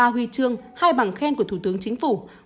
ba huy chương hai bằng khen của thủ tướng chính phủ